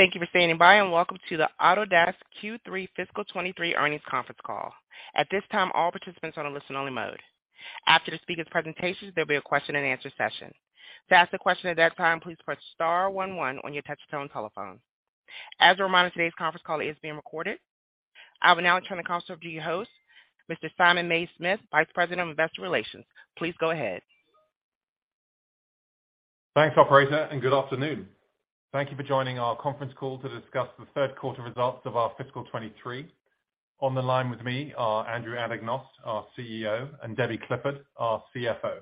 Thank you for standing by, and welcome to the Autodesk Q3 Fiscal 2023 Earnings Conference Call. At this time, all participants are on a listen only mode. After the speaker's presentations, there'll be a question and answer session. To ask a question at that time, please press star one one on your touchtone telephone. As a reminder, today's conference call is being recorded. I will now turn the call over to your host, Mr. Simon Mays-Smith, Vice President of Investor Relations. Please go ahead. Thanks, operator, and good afternoon. Thank you for joining our conference call to discuss the Q3 results of our fiscal 2023. On the line with me are Andrew Anagnost, our CEO, and Debbie Clifford, our CFO.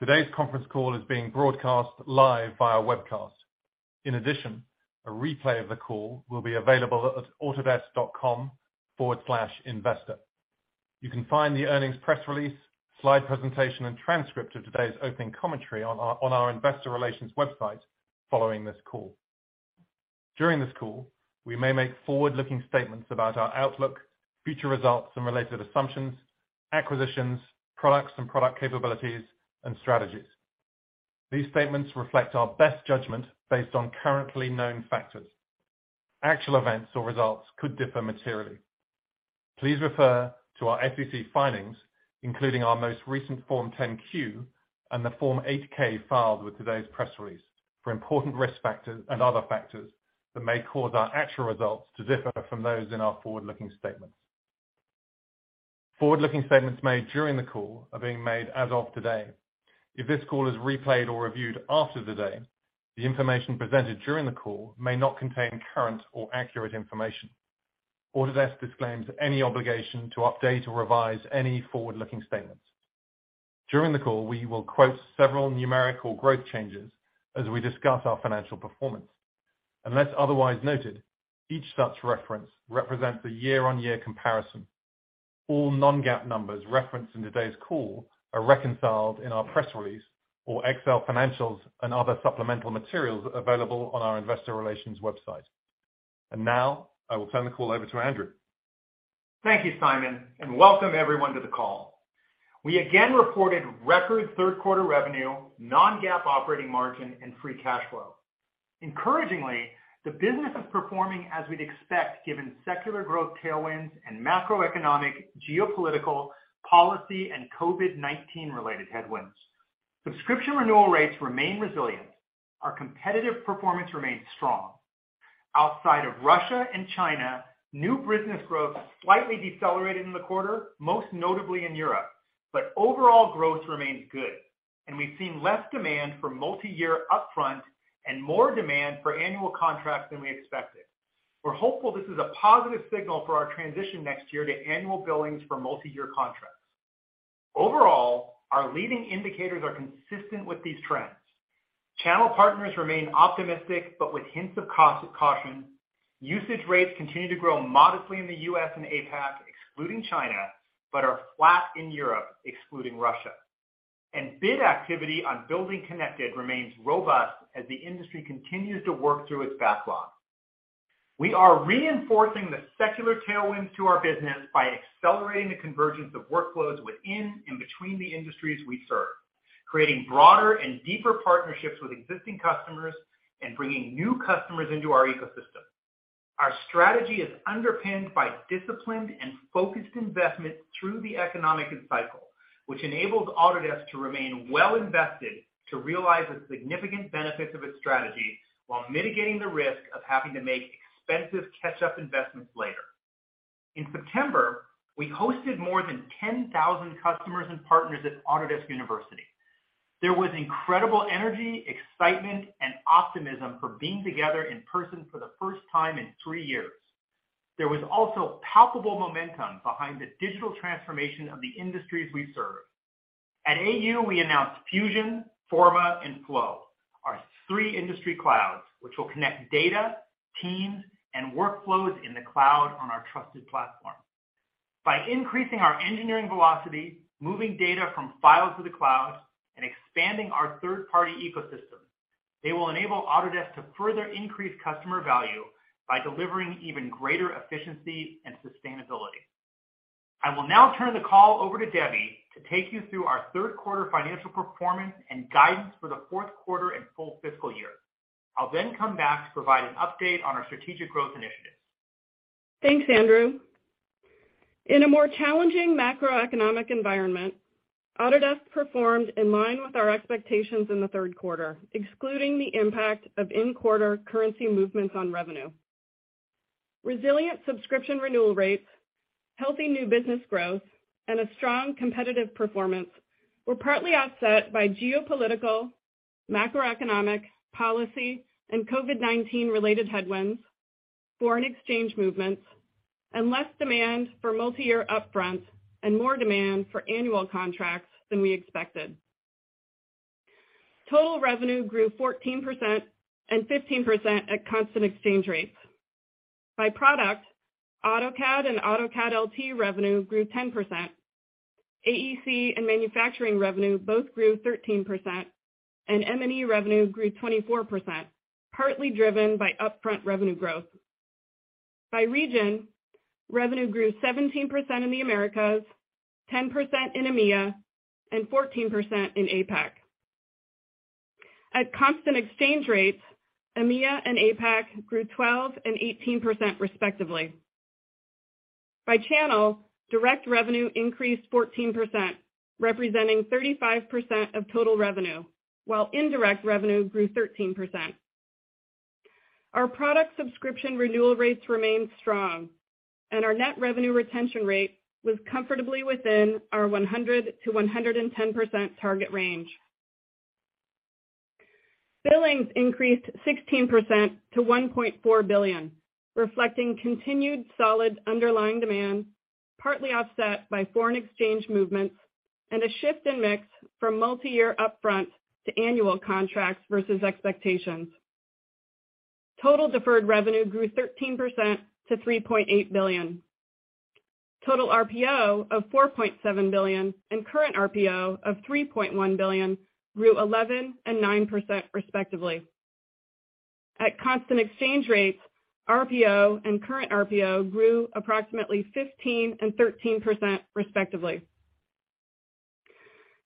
Today's conference call is being broadcast live via webcast. In addition, a replay of the call will be available at autodesk.com/investor. You can find the earnings press release, slide presentation, and transcript of today's opening commentary on our investor relations website following this call. During this call, we may make forward-looking statements about our outlook, future results and related assumptions, acquisitions, products and product capabilities, and strategies. These statements reflect our best judgment based on currently known factors. Actual events or results could differ materially. Please refer to our SEC filings, including our most recent Form 10-Q and the Form 8-K filed with today's press release for important risk factors and other factors that may cause our actual results to differ from those in our forward-looking statements. Forward-looking statements made during the call are being made as of today. If this call is replayed or reviewed after the day, the information presented during the call may not contain current or accurate information. Autodesk disclaims any obligation to update or revise any forward-looking statements. During the call, we will quote several numerical growth changes as we discuss our financial performance. Unless otherwise noted, each such reference represents a year-on-year comparison. All non-GAAP numbers referenced in today's call are reconciled in our press release or Excel financials and other supplemental materials available on our Investor Relations website. Now, I will turn the call over to Andrew. Thank you, Simon. Welcome everyone to the call. We again reported record Q3 revenue, non-GAAP operating margin, and free cash flow. Encouragingly, the business is performing as we'd expect, given secular growth tailwinds and macroeconomic, geopolitical, policy, and COVID-19 related headwinds. Subscription renewal rates remain resilient. Our competitive performance remains strong. Outside of Russia and China, new business growth slightly decelerated in the quarter, most notably in Europe. Overall growth remains good, and we've seen less demand for multi-year upfront and more demand for annual contracts than we expected. We're hopeful this is a positive signal for our transition next year to annual billings for multi-year contracts. Overall, our leading indicators are consistent with these trends. Channel partners remain optimistic, but with hints of cost caution. Usage rates continue to grow modestly in the US and APAC, excluding China, but are flat in Europe, excluding Russia. Bid activity on BuildingConnected remains robust as the industry continues to work through its backlog. We are reinforcing the secular tailwinds to our business by accelerating the convergence of workflows within and between the industries we serve, creating broader and deeper partnerships with existing customers and bringing new customers into our ecosystem. Our strategy is underpinned by disciplined and focused investment through the economic cycle, which enables Autodesk to remain well invested to realize the significant benefits of its strategy while mitigating the risk of having to make expensive catch-up investments later. In September, we hosted more than 10,000 customers and partners at Autodesk University. There was incredible energy, excitement, and optimism for being together in person for the first time in 3 years. There was also palpable momentum behind the digital transformation of the industries we serve. At AU, we announced Fusion, Forma, and Flow, our three industry clouds, which will connect data, teams, and workflows in the cloud on our trusted platform. By increasing our engineering velocity, moving data from file to the cloud, and expanding our third-party ecosystem, they will enable Autodesk to further increase customer value by delivering even greater efficiency and sustainability. I will now turn the call over to Debbie to take you through our Q3 financial performance and guidance for the Q4 and full fiscal year. I'll then come back to provide an update on our strategic growth initiatives. Thanks, Andrew. In a more challenging macroeconomic environment, Autodesk performed in line with our expectations in the Q3, excluding the impact of in-quarter currency movements on revenue. Resilient subscription renewal rates, healthy new business growth, and a strong competitive performance were partly offset by geopolitical, macroeconomic, policy, and COVID-19 related headwinds, foreign exchange movements, and less demand for multi-year upfront and more demand for annual contracts than we expected. Total revenue grew 14% and 15% at constant exchange rates. By product, AutoCAD and AutoCAD LT revenue grew 10%. AEC and manufacturing revenue both grew 13%, and M&E revenue grew 24%, partly driven by upfront revenue growth. By region, revenue grew 17% in the Americas, 10% in EMEA, and 14% in APAC. At constant exchange rates, EMEA and APAC grew 12% and 18% respectively. By channel, direct revenue increased 14%, representing 35% of total revenue, while indirect revenue grew 13%. Our product subscription renewal rates remained strong, and our Net Revenue Retention Rate was comfortably within our 100% to 110% target range. Billings increased 16% to $1.4 billion, reflecting continued solid underlying demand, partly offset by foreign exchange movements and a shift in mix from multiyear upfront to annual contracts versus expectations. Total deferred revenue grew 13% to $3.8 billion. Total RPO of $4.7 billion and Current RPO of $3.1 billion grew 11% and 9% respectively. At constant exchange rates, RPO and Current RPO grew approximately 15% and 13% respectively.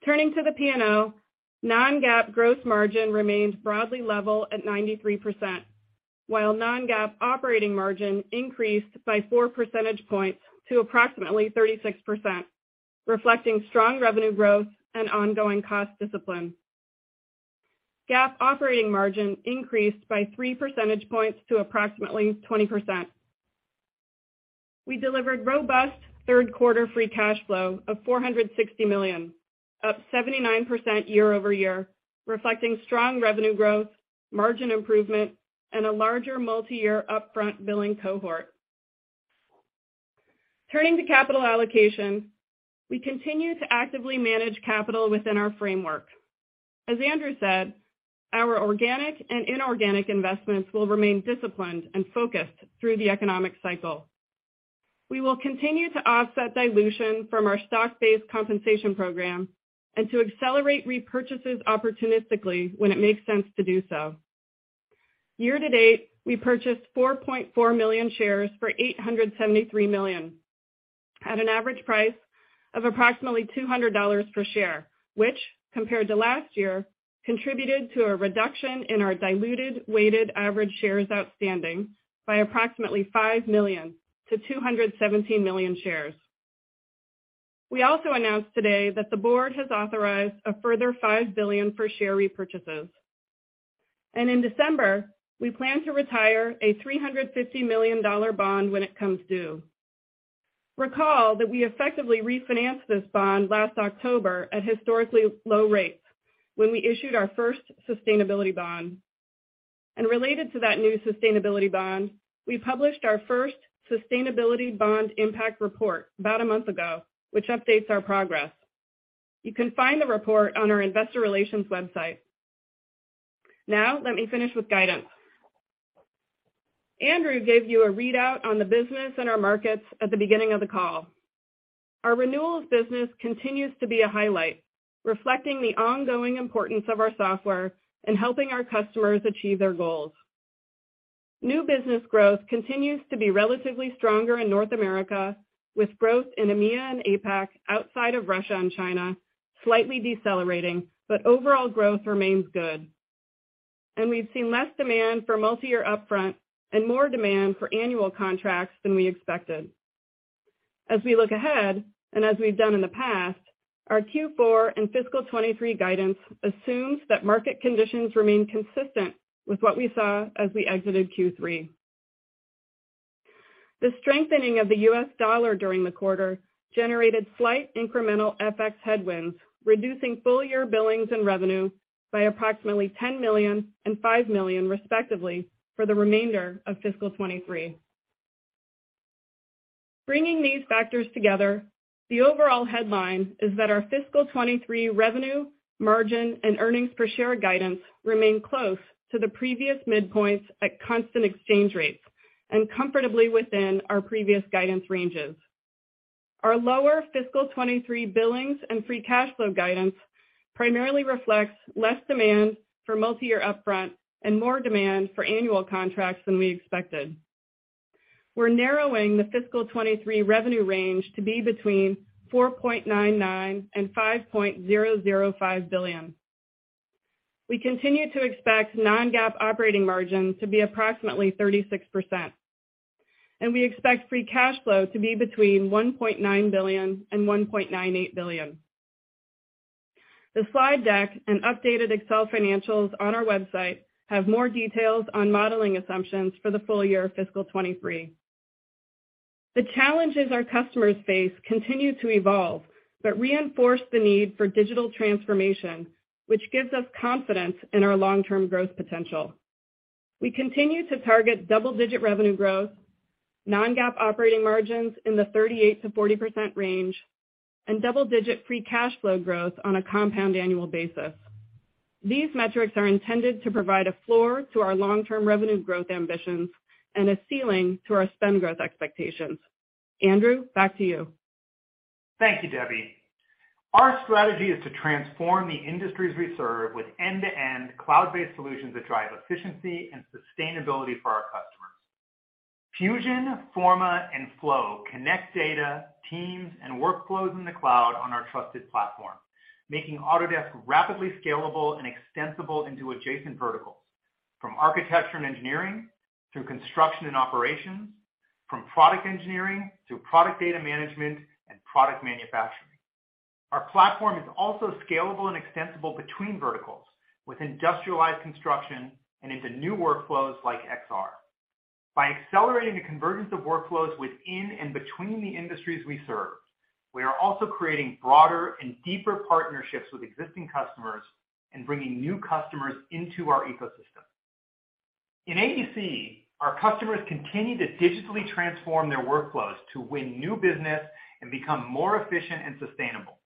Turning to the P&L, non-GAAP gross margin remained broadly level at 93%, while non-GAAP operating margin increased by 4% points to approximately 36%, reflecting strong revenue growth and ongoing cost discipline. GAAP operating margin increased by 3% points to approximately 20%. We delivered robust Q3 free cash flow of $460 million, up 79% year-over-year, reflecting strong revenue growth, margin improvement, and a larger multi-year upfront billing cohort. Turning to capital allocation, we continue to actively manage capital within our framework. As Andrew said, our organic and inorganic investments will remain disciplined and focused through the economic cycle. We will continue to offset dilution from our stock-based compensation program and to accelerate repurchases opportunistically when it makes sense to do so. Year to date, we purchased 4.4 million shares for $873 million at an average price of approximately $200 per share, which compared to last year, contributed to a reduction in our diluted weighted average shares outstanding by approximately 5 to 217 million shares. We also announced today that the board has authorized a further $5 billion for share repurchases. In December, we plan to retire a $350 million bond when it comes due. Recall that we effectively refinanced this bond last October at historically low rates when we issued our first sustainability bond. Related to that new sustainability bond, we published our first sustainability bond impact report about a month ago, which updates our progress. You can find the report on our investor relations website. Now let me finish with guidance. Andrew gave you a readout on the business and our markets at the beginning of the call. Our renewals business continues to be a highlight, reflecting the ongoing importance of our software and helping our customers achieve their goals. New business growth continues to be relatively stronger in North America, with growth in EMEA and APAC outside of Russia and China, slightly decelerating, but overall growth remains good. We've seen less demand for multi-year upfront and more demand for annual contracts than we expected. As we look ahead, as we've done in the past, our Q4 and fiscal 2023 guidance assumes that market conditions remain consistent with what we saw as we exited Q3. The strengthening of the US dollar during the quarter generated slight incremental FX headwinds, reducing full year billings and revenue by approximately $10 and 5 million, respectively, for the remainder of fiscal 2023. Bringing these factors together, the overall headline is that our fiscal 2023 revenue, margin, and earnings per share guidance remain close to the previous midpoints at constant exchange rates and comfortably within our previous guidance ranges. Our lower fiscal 2023 billings and free cash flow guidance primarily reflects less demand for multi-year upfront and more demand for annual contracts than we expected. We're narrowing the fiscal 2023 revenue range to be between $4.99 and 5.005 billion. We continue to expect non-GAAP operating margin to be approximately 36%, and we expect free cash flow to be between $1.9 and 1.98 billion. The slide deck and updated Excel financials on our website have more details on modeling assumptions for the full year fiscal 2023. The challenges our customers face continue to evolve but reinforce the need for digital transformation, which gives us confidence in our long-term growth potential. We continue to target double-digit revenue growth, non-GAAP operating margins in the 38% to 40% range, and double-digit free cash flow growth on a compound annual basis. Andrew, back to you. Thank you, Debbie. Our strategy is to transform the industries we serve with end-to-end cloud-based solutions that drive efficiency and sustainability for our customers. Fusion, Forma, and Flow connect data, teams, and workflows in the cloud on our trusted platform, making Autodesk rapidly scalable and extensible into adjacent verticals, from architecture and engineering to construction and operations, from product engineering to product data management and product manufacturing. Our platform is also scalable and extensible between verticals with industrialized construction and into new workflows like XR. By accelerating the convergence of workflows within and between the industries we serve, we are also creating broader and deeper partnerships with existing customers and bringing new customers into our ecosystem. In AEC, our customers continue to digitally transform their workflows to win new business and become more efficient and sustainable.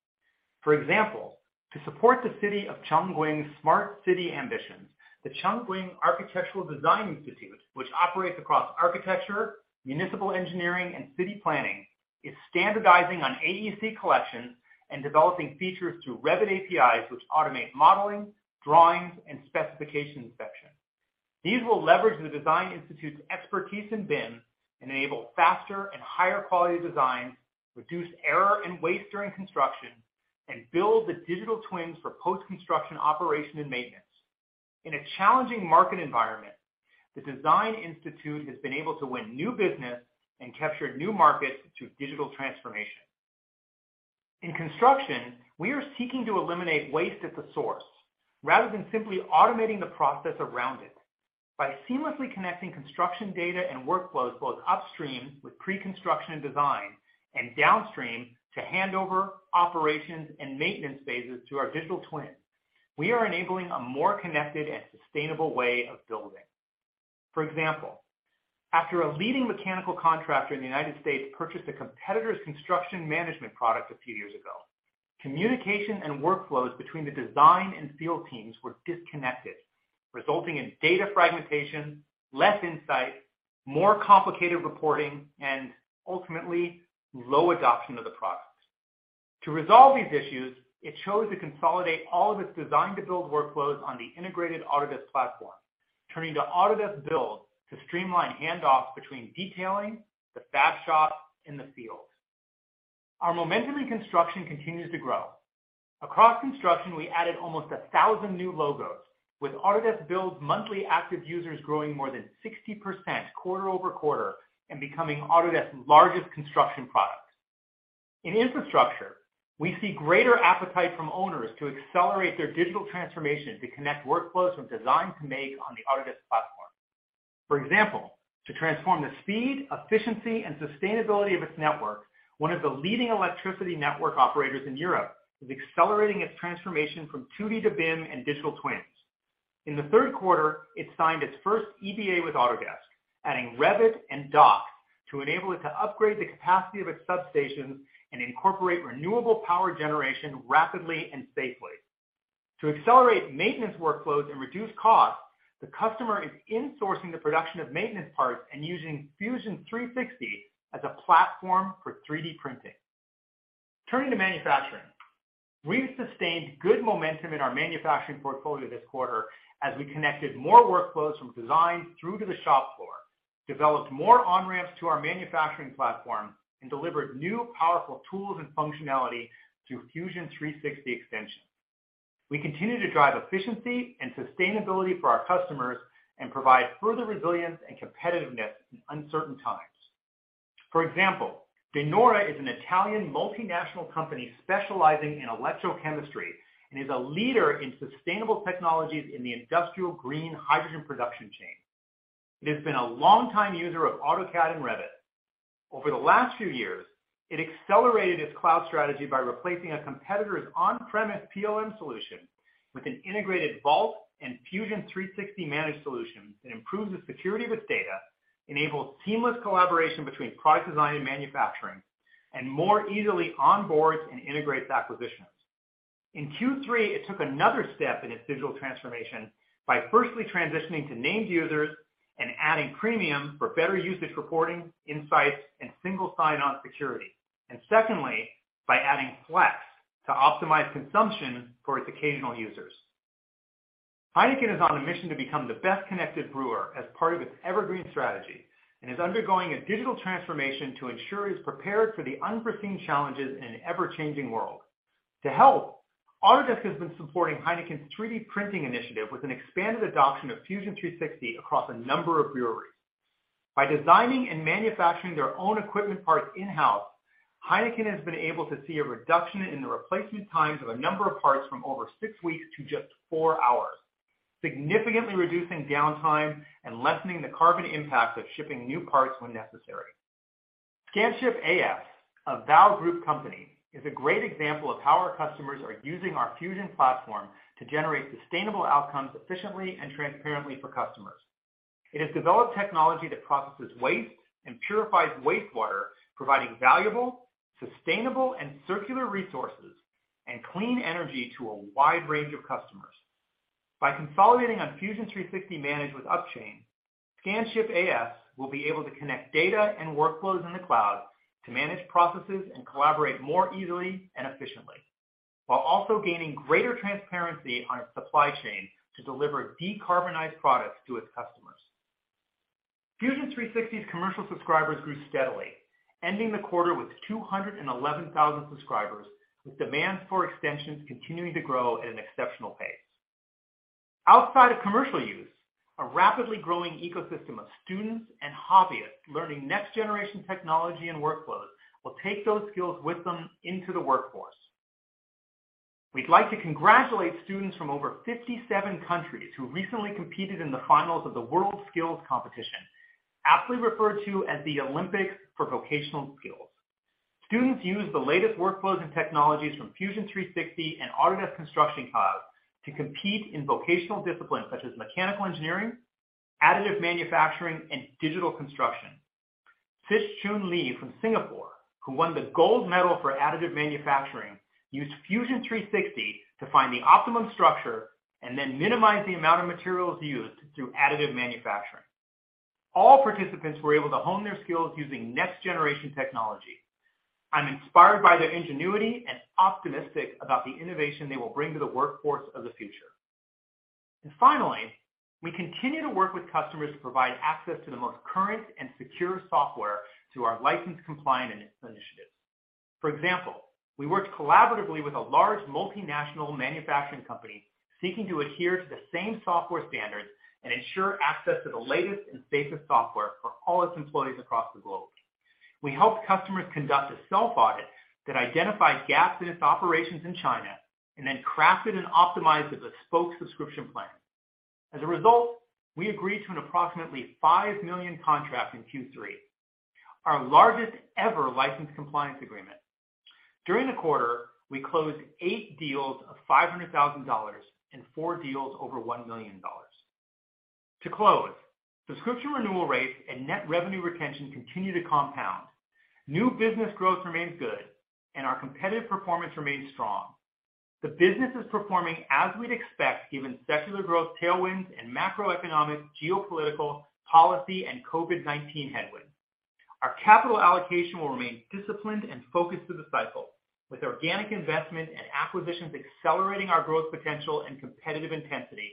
For example, to support the city of Chongqing's smart city ambitions, the Chongqing Architectural Design Institute, which operates across architecture, municipal engineering, and city planning, is standardizing on AEC Collection and developing features through Revit APIs, which automate modeling, drawings, and specification inspection. These will leverage the Design Institute's expertise in BIM, enable faster and higher quality designs, reduce error and waste during construction, and build the digital twins for post-construction operation and maintenance. In a challenging market environment, the Design Institute has been able to win new business and capture new markets through digital transformation. In construction, we are seeking to eliminate waste at the source rather than simply automating the process around it. By seamlessly connecting construction data and workflows, both upstream with pre-construction design and downstream to handover, operations, and maintenance phases through our digital twin, we are enabling a more connected and sustainable way of building. For example, after a leading mechanical contractor in the United States purchased a competitor's construction management product a few years ago, communication and workflows between the design and field teams were disconnected, resulting in data fragmentation, less insight, more complicated reporting, and ultimately, low adoption of the product. To resolve these issues, it chose to consolidate all of its design to build workflows on the integrated Autodesk platform, turning to Autodesk Build to streamline handoffs between detailing the fab shop in the field. Our momentum in construction continues to grow. Across construction, we added almost 1,000 new logos, with Autodesk Build's monthly active users growing more than 60% quarter-over-quarter and becoming Autodesk's largest construction product. In infrastructure, we see greater appetite from owners to accelerate their digital transformation to connect workflows from design to make on the Autodesk platform. For example, to transform the speed, efficiency, and sustainability of its network, one of the leading electricity network operators in Europe is accelerating its transformation from 2D to BIM and digital twins. In the Q3, it signed its first EBA with Autodesk, adding Revit and Docs to enable it to upgrade the capacity of its substations and incorporate renewable power generation rapidly and safely. To accelerate maintenance workflows and reduce costs, the customer is insourcing the production of maintenance parts and using Fusion 360 as a platform for 3D printing. Turning to manufacturing. We've sustained good momentum in our manufacturing portfolio this quarter as we connected more workflows from design through to the shop floor, developed more on-ramps to our manufacturing platform, and delivered new powerful tools and functionality through Fusion 360 Extension. We continue to drive efficiency and sustainability for our customers and provide further resilience and competitiveness in uncertain times. For example, De Nora is an Italian multinational company specializing in electrochemistry and is a leader in sustainable technologies in the industrial green hydrogen production chain. It has been a long time user of AutoCAD and Revit. Over the last few years, it accelerated its cloud strategy by replacing a competitor's on-premise PLM solution with an integrated Vault and Fusion 360 managed solution that improves the security of its data, enables seamless collaboration between product design and manufacturing, and more easily onboards and integrates acquisitions. In Q3, it took another step in its digital transformation by firstly transitioning to named users and adding Premium for better usage reporting, insights, and single sign-on security. Secondly, by adding Flex to optimize consumption for its occasional users. Heineken is on a mission to become the best-connected brewer as part of its EverGreen strategy and is undergoing a digital transformation to ensure it's prepared for the unforeseen challenges in an ever-changing world. To help, Autodesk has been supporting Heineken's 3D printing initiative with an expanded adoption of Fusion 360 across a number of breweries. By designing and manufacturing their own equipment parts in-house, Heineken has been able to see a reduction in the replacement times of a number of parts from over 6 weeks to just 4 hours, significantly reducing downtime and lessening the carbon impact of shipping new parts when necessary. Scanship AS, a Vow group company, is a great example of how our customers are using our Fusion platform to generate sustainable outcomes efficiently and transparently for customers. It has developed technology that processes waste and purifies wastewater, providing valuable, sustainable, and circular resources and clean energy to a wide range of customers. By consolidating on Fusion 360 Manage with Upchain, Scanship AS will be able to connect data and workflows in the cloud to manage processes and collaborate more easily and efficiently, while also gaining greater transparency on its supply chain to deliver decarbonized products to its customers. Fusion 360's commercial subscribers grew steadily, ending the quarter with 211,000 subscribers, with demand for extensions continuing to grow at an exceptional pace. Outside of commercial use, a rapidly growing ecosystem of students and hobbyists learning next-generation technology and workflows will take those skills with them into the workforce. We'd like to congratulate students from over 57 countries who recently competed in the finals of the WorldSkills Competition, aptly referred to as the Olympics for vocational skills. Students used the latest workflows and technologies from Fusion 360 and Autodesk Construction Cloud to compete in vocational disciplines such as mechanical engineering, additive manufacturing, and digital construction. Sith Shun Le from Singapore, who won the gold medal for additive manufacturing, used Fusion 360 to find the optimum structure and then minimize the amount of materials used through additive manufacturing. All participants were able to hone their skills using next-generation technology. I'm inspired by their ingenuity and optimistic about the innovation they will bring to the workforce of the future. Finally, we continue to work with customers to provide access to the most current and secure software to our license compliance initiatives. For example, we worked collaboratively with a large multinational manufacturing company seeking to adhere to the same software standards and ensure access to the latest and safest software for all its employees across the globe. We helped customers conduct a self-audit that identified gaps in its operations in China and then crafted and optimized a bespoke subscription plan. As a result, we agreed to an approximately $5 million contract in Q3, our largest ever license compliance agreement. During the quarter, we closed 8 deals of $500,000 and 4 deals over $1 million. To close, subscription renewal rates and net revenue retention continue to compound. New business growth remains good and our competitive performance remains strong. The business is performing as we'd expect, given secular growth tailwinds and macroeconomic, geopolitical, policy, and COVID-19 headwinds. Our capital allocation will remain disciplined and focused through the cycle, with organic investment and acquisitions accelerating our growth potential and competitive intensity,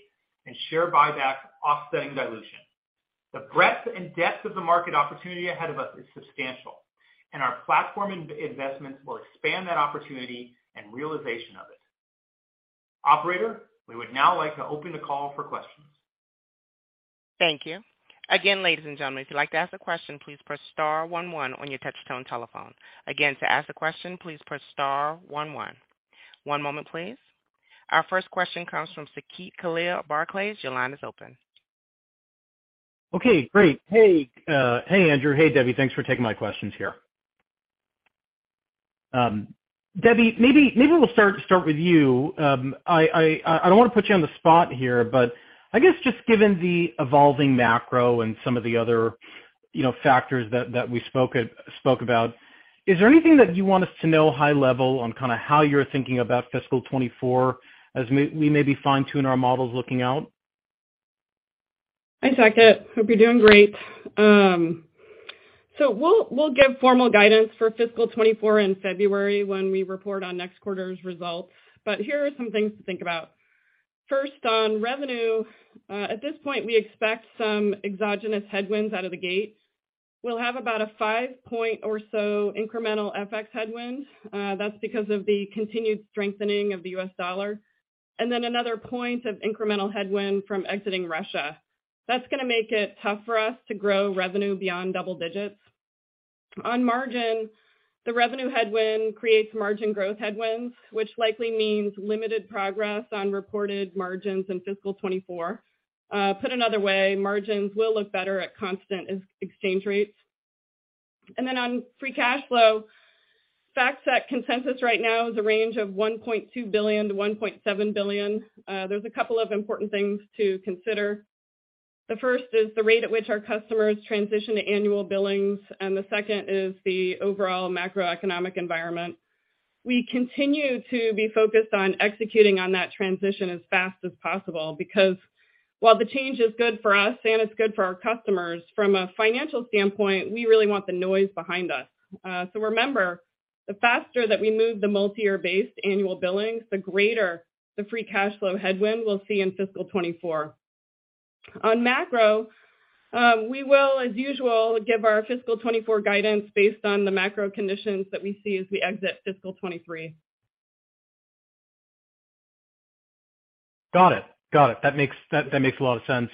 and share buybacks offsetting dilution. The breadth and depth of the market opportunity ahead of us is substantial, and our platform investments will expand that opportunity and realization of it. Operator, we would now like to open the call for questions. Thank you. Again, ladies and gentlemen, if you'd like to ask a question, please press star one one on your touchtone telephone. Again, to ask a question, please press star one one. One moment, please. Our first question comes from Saket Kalia, Barclays. Your line is open. Okay, great. Hey, Andrew. Hey, Debbie. Thanks for taking my questions here. Debbie, maybe we'll start with you. I don't want to put you on the spot here, but I guess just given the evolving macro and some of the other, you know, factors that we spoke about, is there anything that you want us to know high level on kinda how you're thinking about fiscal 2024. as we may be fine-tuning our models looking out? Hi, Saket. Hope you're doing great. We'll give formal guidance for fiscal 2024 in February when we report on next quarter's results, but here are some things to think about. First, on revenue, at this point, we expect some exogenous headwinds out of the gate. We'll have about a 5-point or so incremental FX headwind. That's because of the continued strengthening of the US dollar. Then another point of incremental headwind from exiting Russia. That's going to make it tough for us to grow revenue beyond double digits. On margin, the revenue headwind creates margin growth headwinds, which likely means limited progress on reported margins in fiscal 2024. Put another way, margins will look better at constant ex-exchange rates. Then on free cash flow, FactSet consensus right now is a range of $1.2 to 1.7 billion. There's a couple of important things to consider. The first is the rate at which our customers transition to annual billings, and the second is the overall macroeconomic environment. We continue to be focused on executing on that transition as fast as possible because while the change is good for us and it's good for our customers, from a financial standpoint, we really want the noise behind us. Remember, the faster that we move the multi-year based annual billings, the greater the free cash flow headwind we'll see in fiscal 2024.. On macro, we will, as usual, give our fiscal 2024 guidance based on the macro conditions that we see as we exit fiscal 2023. Got it. That makes a lot of sense.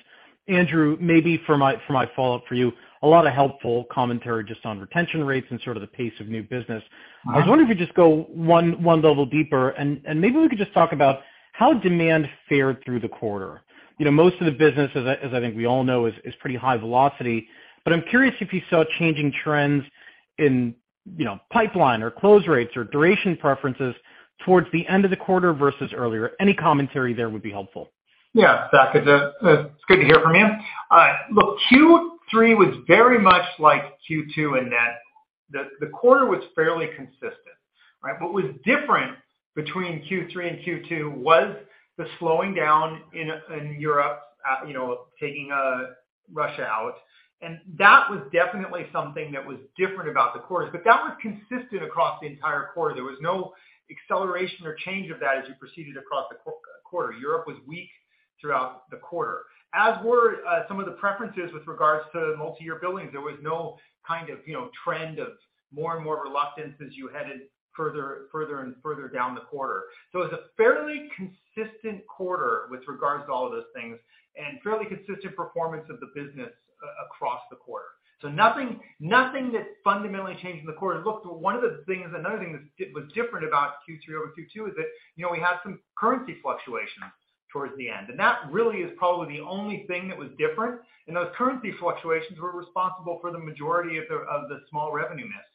Andrew, maybe for my follow-up for you, a lot of helpful commentary just on retention rates and sort of the pace of new business. Uh-huh. I was wondering if you could just go one level deeper and maybe we could just talk about how demand fared through the quarter. You know, most of the business, as I think we all know, is pretty high velocity. I'm curious if you saw changing trends in, you know, pipeline or close rates or duration preferences towards the end of the quarter versus earlier. Any commentary there would be helpful. Saket, it's good to hear from you. Look, Q3 was very much like Q2 in that the quarter was fairly consistent. Right. What was different between Q3 and Q2 was the slowing down in Europe, you know, taking Russia out. That was definitely something that was different about the quarters. That was consistent across the entire quarter. There was no acceleration or change of that as you proceeded across the quarter. Europe was weak throughout the quarter, as were some of the preferences with regards to multi-year billings. There was no kind of, you know, trend of more and more reluctance as you headed further and further down the quarter. It's a fairly consistent quarter with regards to all of those things, and fairly consistent performance of the business across the quarter. Nothing, nothing that fundamentally changed in the quarter. Look, another thing that was different about Q3 over Q2 is that, you know, we had some currency fluctuations towards the end. That really is probably the only thing that was different. Those currency fluctuations were responsible for the majority of the small revenue miss.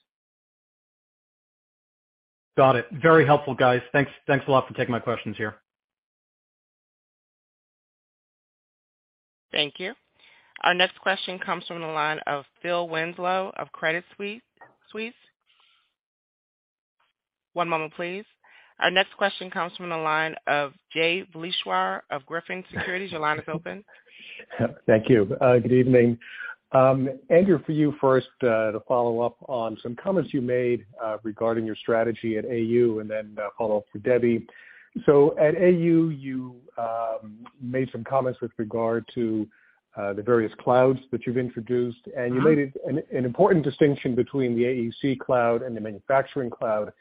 Got it. Very helpful, guys. Thanks a lot for taking my questions here. Thank you. Our next question comes from the line of Phil Winslow of Credit Suisse. One moment, please. Our next question comes from the line of Jay Vleeschouwer of Griffin Securities. Your line is open. Thank you. Good evening. Andrew, for you first, to follow up on some comments you made, regarding your strategy at AU, and then a follow-up for Debbie. At AU, you made some comments with regard to the various clouds that you've introduced, and you made an important distinction between the AEC Cloud and the Manufacturing Cloud,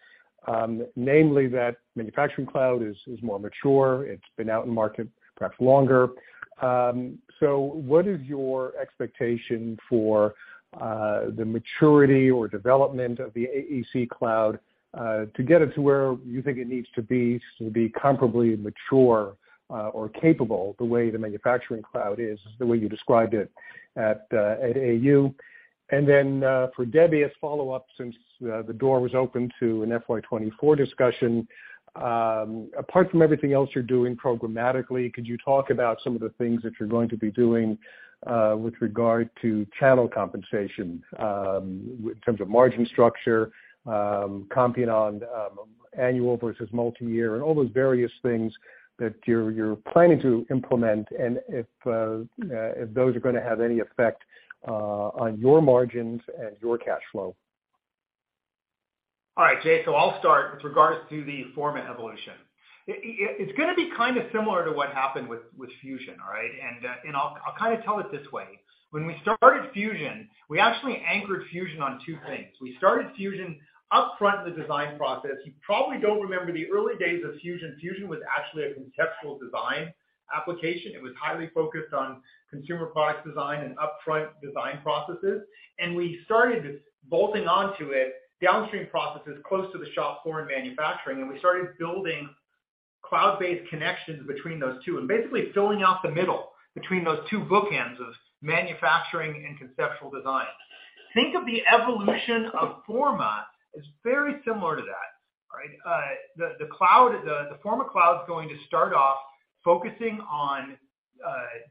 namely that Manufacturing Cloud is more mature. It's been out in market perhaps longer. What is your expectation for the maturity or development of the AEC Cloud, to get it to where you think it needs to be to be comparably mature, or capable the way the Manufacturing Cloud is, the way you described it at AU. For Debbie, as follow-up, since the door was open to an FY 2024 discussion, apart from everything else you're doing programmatically, could you talk about some of the things that you're going to be doing, with regard to channel compensation, in terms of margin structure, comping on, annual versus multi-year and all those various things that you're planning to implement, and if those are gonna have any effect, on your margins and your cash flow? All right, Jay. I'll start with regards to the Forma evolution. It's gonna be kind of similar to what happened with Fusion, all right? I'll kind of tell it this way. When we started Fusion, we actually anchored Fusion on two things. We started Fusion upfront in the design process. You probably don't remember the early days of Fusion. Fusion was actually a conceptual design application. It was highly focused on consumer product design and upfront design processes. We started bolting onto it downstream processes close to the shop floor in manufacturing, and we started building cloud-based connections between those two and basically filling out the middle between those two bookends of manufacturing and conceptual design. Think of the evolution of Forma as very similar to that. All right? The cloud, the Forma cloud's going to start off focusing on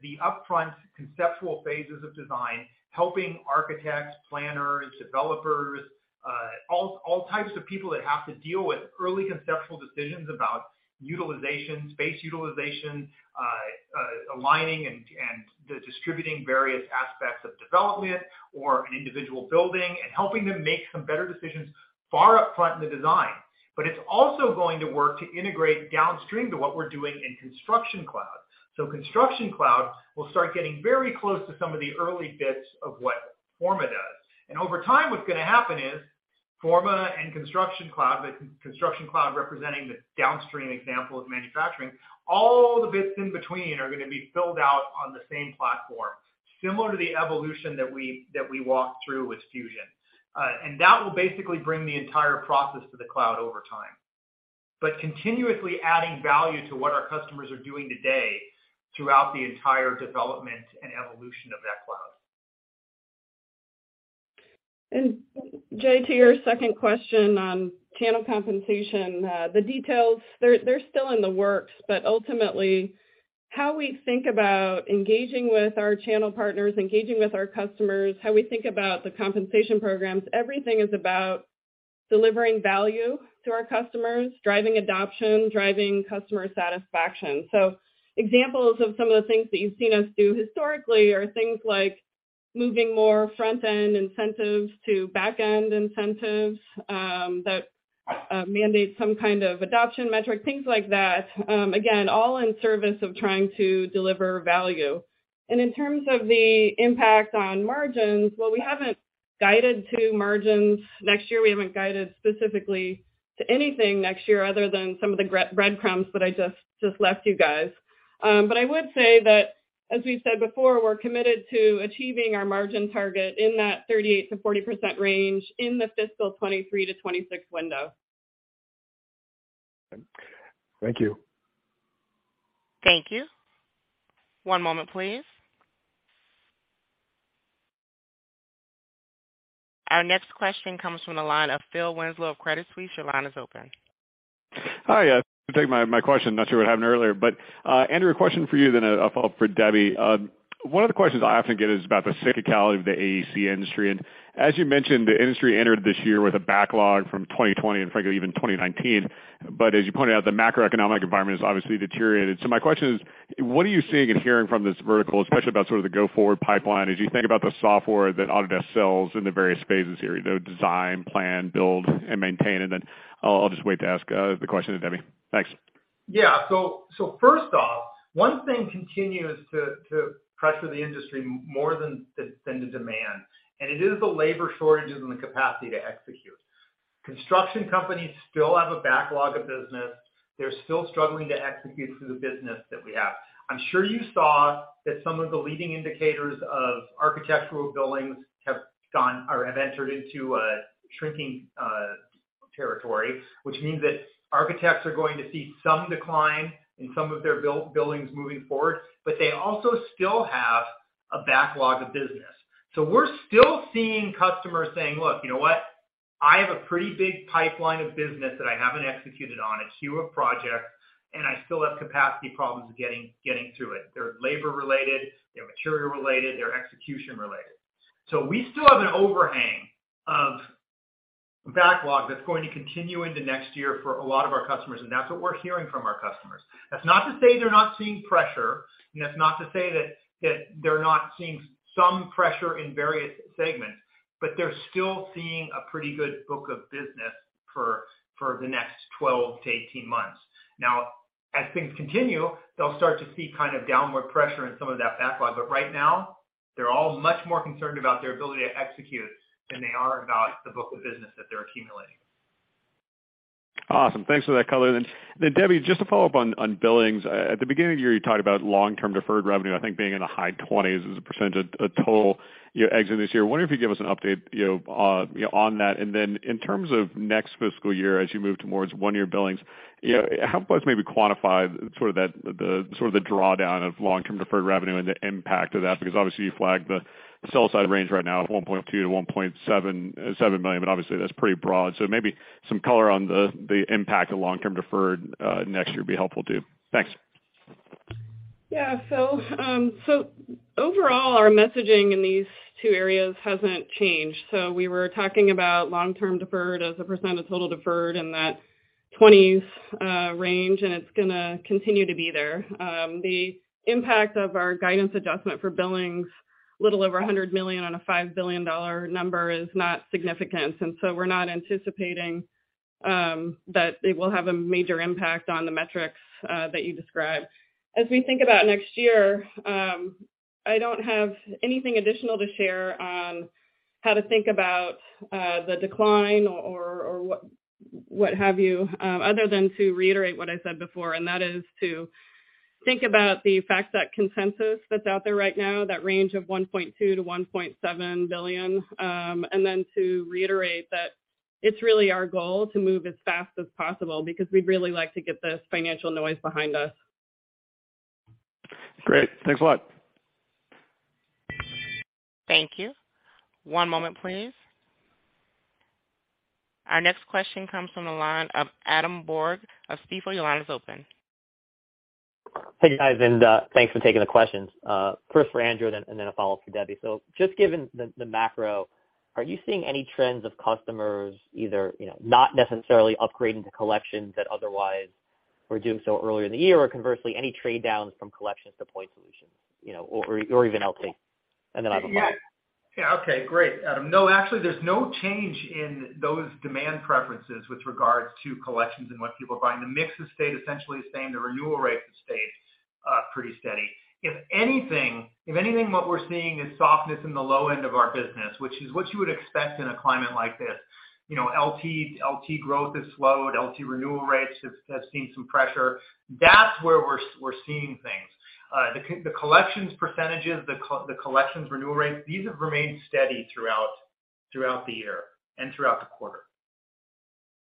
the upfront conceptual phases of design, helping architects, planners, developers, all types of people that have to deal with early conceptual decisions about utilization, space utilization, aligning and the distributing various aspects of development or an individual building and helping them make some better decisions far upfront in the design. It's also going to work to integrate downstream to what we're doing in Construction Cloud. Construction Cloud will start getting very close to some of the early bits of what Forma does. Over time, what's gonna happen is Forma and Construction Cloud, with Construction Cloud representing the downstream example of manufacturing, all the bits in between are gonna be filled out on the same platform, similar to the evolution that we walked through with Fusion. That will basically bring the entire process to the cloud over time. Continuously adding value to what our customers are doing today throughout the entire development and evolution of that cloud. Jay, to your second question on channel compensation, the details they're still in the works, but ultimately how we think about engaging with our channel partners, engaging with our customers, how we think about the compensation programs, everything is about delivering value to our customers, driving adoption, driving customer satisfaction. Examples of some of the things that you've seen us do historically are things like moving more front-end incentives to back-end incentives, that mandate some kind of adoption metric, things like that, again, all in service of trying to deliver value. In terms of the impact on margins, well, we haven't guided to margins next year. We haven't guided specifically to anything next year other than some of the breadcrumbs that I just left you guys. I would say that, as we've said before, we're committed to achieving our margin target in that 38% to 40% range in the fiscal 2023 to 2026 window. Thank you. Thank you. One moment, please. Our next question comes from the line of Phil Winslow of Credit Suisse. Your line is open. Hi, thank you for taking my question. Not sure what happened earlier. Andrew, a question for you then a follow-up for Debbie. One of the questions I often get is about the cyclicality of the AEC industry. As you mentioned, the industry entered this year with a backlog from 2020, and frankly, even 2019. As you pointed out, the macroeconomic environment has obviously deteriorated. My question is, what are you seeing and hearing from this vertical, especially about sort of the go-forward pipeline as you think about the software that Autodesk sells in the various phases here, you know, design, plan, build, and maintain? Then I'll just wait to ask the question to Debbie. Thanks. Yeah. First off, one thing continues to pressure the industry more than the demand, and it is the labor shortages and the capacity to execute. Construction companies still have a backlog of business. They're still struggling to execute through the business that we have. I'm sure you saw that some of the leading indicators of architectural billings have gone or have entered into a shrinking territory, which means that architects are going to see some decline in some of their billings moving forward, but they also still have a backlog of business. We're still seeing customers saying, "Look, you know what? I have a pretty big pipeline of business that I haven't executed on, a queue of projects, and I still have capacity problems with getting through it." They're labor related, they're material related, they're execution related. We still have an overhang of backlog that's going to continue into next year for a lot of our customers, and that's what we're hearing from our customers. That's not to say they're not seeing pressure, and that's not to say that they're not seeing some pressure in various segments, but they're still seeing a pretty good book of business for the next 12 to 18 months. As things continue, they'll start to see kind of downward pressure in some of that backlog. Right now, they're all much more concerned about their ability to execute than they are about the book of business that they're accumulating. Awesome. Thanks for that color. Debbie, just to follow up on billings. At the beginning of the year, you talked about long-term deferred revenue, I think being in the high 20s as a percentage of total, you know, exit this year. Wondering if you give us an update, you know, on that? In terms of next fiscal year as you move towards one-year billings, you know, help us maybe quantify sort of that, the sort of the drawdown of long-term deferred revenue and the impact of that. Obviously, you flagged the sell side range right now of $1.2 to 1.77 billion, but obviously that's pretty broad. Maybe some color on the impact of long-term deferred next year would be helpful too. Thanks. overall, our messaging in these two areas hasn't changed. We were talking about long-term deferred as a percent of total deferred in that 20s range, and it's going to continue to be there. The impact of our guidance adjustment for billings, a little over $100 million on a $5 billion number is not significant. We're not anticipating that it will have a major impact on the metrics that you described. As we think about next year, I don't have anything additional to share on how to think about the decline or what have you, other than to reiterate what I said before, and that is to think about the fact that consensus that's out there right now, that range of $1.2 to 1.7 billion. To reiterate that it's really our goal to move as fast as possible because we'd really like to get this financial noise behind us. Great. Thanks a lot. Thank you. One moment, please. Our next question comes from the line of Adam Borg of Stifel. Your line is open. Hey, guys, thanks for taking the questions. First for Andrew and then a follow-up for Debbie. Just given the macro, are you seeing any trends of customers either, you know, not necessarily upgrading to Collections that otherwise were doing so earlier in the year? Conversely, any trade downs from Collections to point solutions, you know, or even LT? Then I have a follow-up. Okay. Great, Adam. No, actually, there's no change in those demand preferences with regards to collections and what people are buying. The mix has stayed essentially the same. The renewal rates have stayed pretty steady. If anything, what we're seeing is softness in the low end of our business, which is what you would expect in a climate like this. You know, LT growth has slowed. LT renewal rates have seen some pressure. That's where we're seeing things. The collections percentages, the collections renewal rates, these have remained steady throughout the year and throughout the quarter.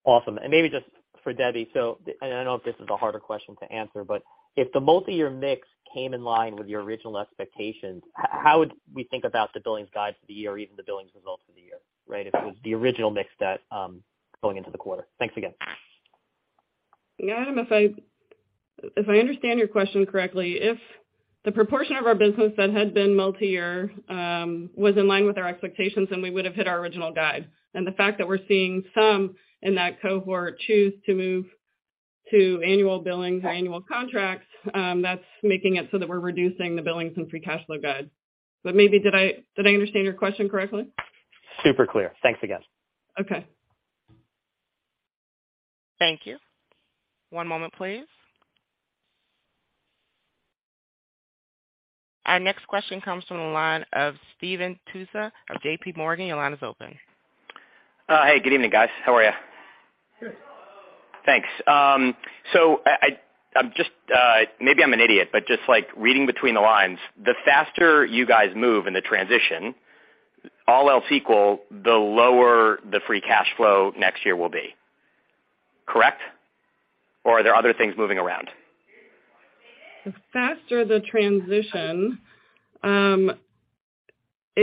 Awesome. Maybe just for Debbie. I know this is a harder question to answer, but if the multi-year mix came in line with your original expectations, how would we think about the billings guide for the year or even the billings results for the year, right? If it was the original mix that going into the quarter. Thanks again. Adam, if I understand your question correctly, if the proportion of our business that had been multi-year was in line with our expectations, then we would have hit our original guide. The fact that we're seeing some in that cohort choose to move to annual billings or annual contracts, that's making it so that we're reducing the billings and free cash flow guide. Maybe did I understand your question correctly? Super clear. Thanks again. Okay. Thank you. One moment, please. Our next question comes from the line of Stephen Tusa of JPMorgan. Your line is open. Hey, good evening, guys. How are you? Good. Thanks. I'm just, maybe I'm an idiot, but just like reading between the lines, the faster you guys move in the transition, all else equal, the lower the free cash flow next year will be. Correct? Are there other things moving around? The faster the transition.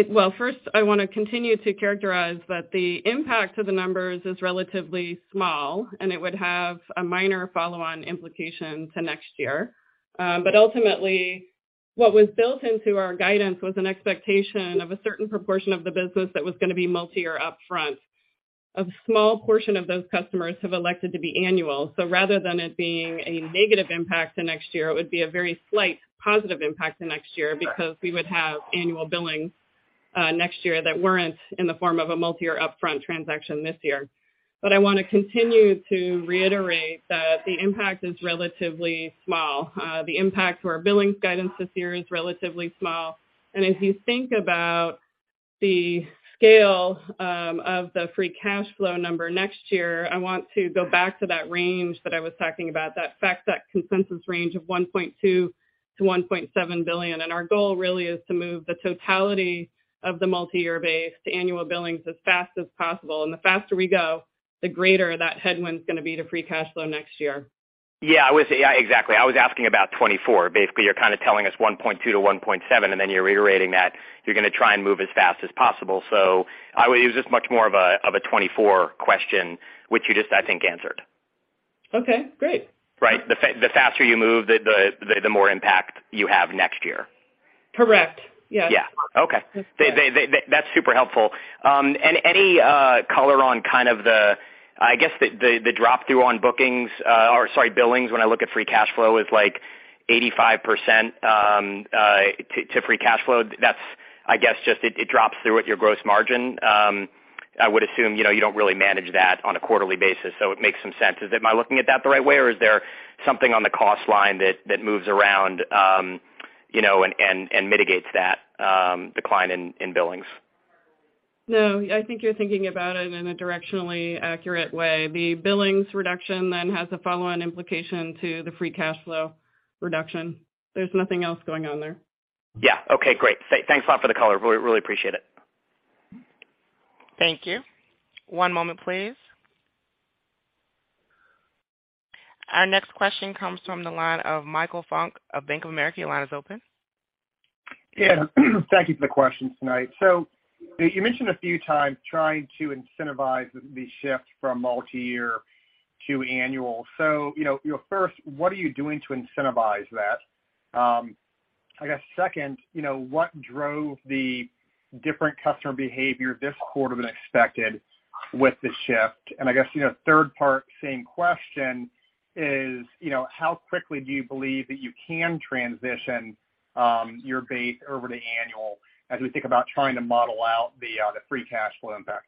Well, first, I want to continue to characterize that the impact to the numbers is relatively small, and it would have a minor follow-on implication to next year. Ultimately, what was built into our guidance was an expectation of a certain proportion of the business that was going to be multi-year upfront. A small portion of those customers have elected to be annual. Rather than it being a negative impact to next year, it would be a very slight positive impact to next year because we would have annual billing next year that weren't in the form of a multi-year upfront transaction this year. I want to continue to reiterate that the impact is relatively small. The impact to our billings guidance this year is relatively small. If you think about the scale of the free cash flow number next year, I want to go back to that range that I was talking about, that FactSet, that consensus range of $1.2 to 1.7 billion. Our goal really is to move the totality of the multi-year base to annual billings as fast as possible. The faster we go, the greater that headwind is going to be to free cash flow next year. Yeah, exactly. I was asking about 2024. Basically, you're kinda telling us 1.2 to 1.7, and then you're reiterating that you're gonna try and move as fast as possible. I would use this much more of a 2024 question, which you just, I think, answered. Okay, great. Right. The faster you move, the more impact you have next year. Correct. Yes. Yeah. Okay. That's right. They, that's super helpful. Any color on kind of the, I guess, the drop-through on bookings, or sorry, billings when I look at free cash flow is, like, 85% to free cash flow. That's, I guess, just it drops through with your gross margin. I would assume, you know, you don't really manage that on a quarterly basis, so it makes some sense. Am I looking at that the right way, or is there something on the cost line that moves around, you know, and mitigates that decline in billings? No, I think you're thinking about it in a directionally accurate way. The billings reduction then has a follow-on implication to the free cash flow reduction. There's nothing else going on there. Yeah. Okay, great. Thanks a lot for the color. Really appreciate it. Thank you. One moment, please. Our next question comes from the line of Michael Funk of Bank of America. Your line is open. Yeah. Thank you for the questions tonight. You mentioned a few times trying to incentivize the shift from multi-year to annual. You know, first, what are you doing to incentivize that? I guess second, you know, what drove the different customer behavior this quarter than expected with the shift? I guess, you know, third part, same question is, you know, how quickly do you believe that you can transition your base over to annual as we think about trying to model out the free cash flow impact?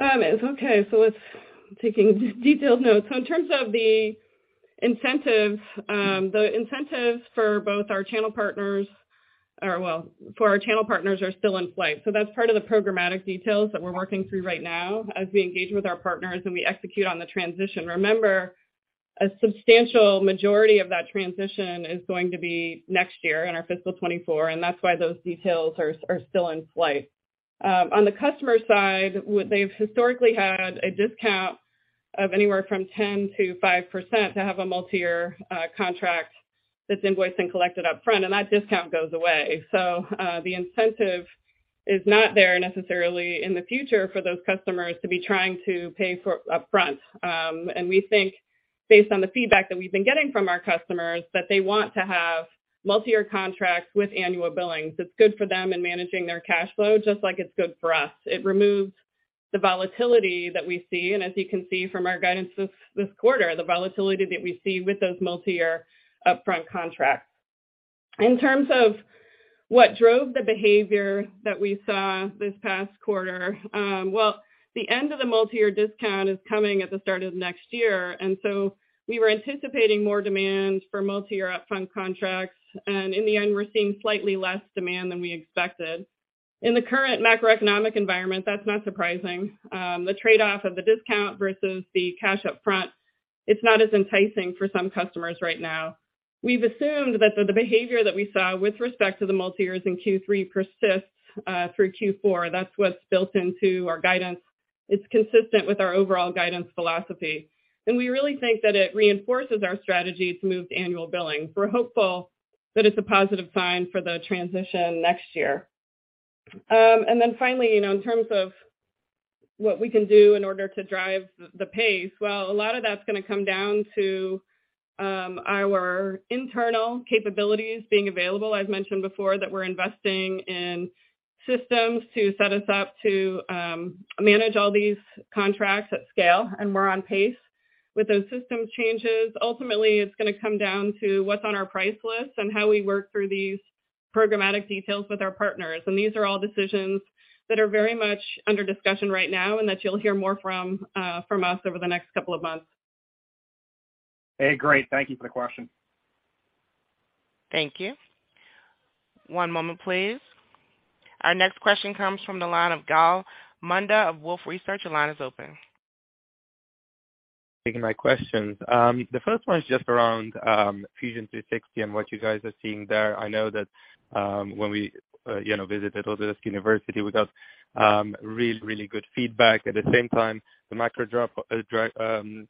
Okay. Taking detailed notes. In terms of the incentives, the incentives for both our channel partners or, well, for our channel partners are still in flight. That's part of the programmatic details that we're working through right now as we engage with our partners and we execute on the transition. Remember, a substantial majority of that transition is going to be next year in our fiscal 2024., and that's why those details are still in flight. On the customer side, what they've historically had a discount of anywhere from 10% to 5% to have a multi-year contract that's invoiced and collected upfront, and that discount goes away. The incentive is not there necessarily in the future for those customers to be trying to pay for upfront. We think based on the feedback that we've been getting from our customers, that they want to have multi-year contracts with annual billings. It's good for them in managing their cash flow, just like it's good for us. It removes the volatility that we see, and as you can see from our guidance this quarter, the volatility that we see with those multi-year upfront contracts. In terms of what drove the behavior that we saw this past quarter, well, the end of the multi-year discount is coming at the start of next year, and so we were anticipating more demand for multi-year upfront contracts, and in the end, we're seeing slightly less demand than we expected. In the current macroeconomic environment, that's not surprising. The trade-off of the discount versus the cash upfront, it's not as enticing for some customers right now. We've assumed that the behavior that we saw with respect to the multi-years in Q3 persists through Q4. That's what's built into our guidance. It's consistent with our overall guidance philosophy. We really think that it reinforces our strategy to move to annual billing. We're hopeful that it's a positive sign for the transition next year. Finally, you know, in terms of what we can do in order to drive the pace, well, a lot of that's gonna come down to our internal capabilities being available. I've mentioned before that we're investing in systems to set us up to manage all these contracts at scale, and we're on pace with those systems changes. Ultimately, it's gonna come down to what's on our price list and how we work through these programmatic details with our partners. These are all decisions that are very much under discussion right now and that you'll hear more from us over the next couple of months. Hey, great. Thank you for the question. Thank you. One moment, please. Our next question comes from the line of Gal Munda of Wolfe Research. Your line is open. Taking my questions. The first one is just around Fusion 360 and what you guys are seeing there. I know that, when we, you know, visited Autodesk University, we got really, really good feedback. At the same time, the macro drop. The